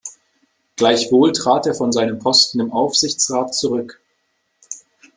Gleichwohl trat er von seinem Posten im Aufsichtsrat zurück.